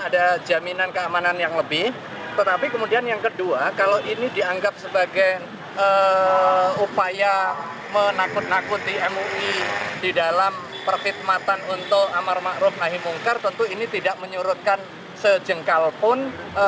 di dalam perpikmatan untuk amar makruf ahimungkar tentu ini tidak menyurutkan sejengkal pun